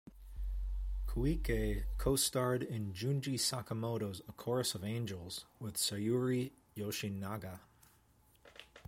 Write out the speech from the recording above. Koike co-starred in Junji Sakamoto's "A Chorus of Angels" with Sayuri Yoshinaga.